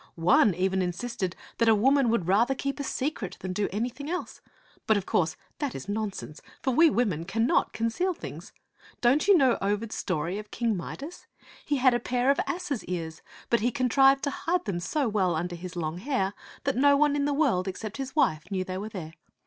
One even insisted that a woman would rather keep a secret than do anything else ; but of course that is nonsense, for we women cannot conceal things. Don't you know Ovid's story of King Midas? He had a pair of asses' ears, but he contrived to hide them so well under his long hair that no one in the world ex cept his wife knew they were there.